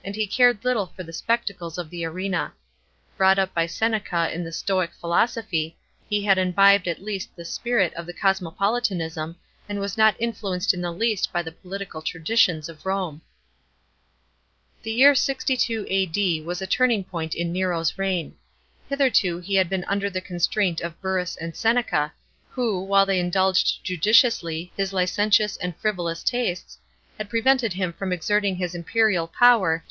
e cared little for the spectacles of the arena. Brought up by Seneca in the Stoic philosophy, he had imbibed at least the spirit of cosmopolitanism and was not influenced in the least by the political traditions of Rome. § 8. The year 62 A.D. was a turning point in Nero's reign. Hitherto he had been under the constraint of Burrus and Seneca, who, while they indulged judiciously his licentious and frivolous tastes, had prevented him from exerting his imperial power to the 62 A.